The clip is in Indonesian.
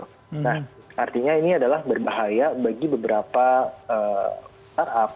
nah artinya ini adalah berbahaya bagi beberapa startup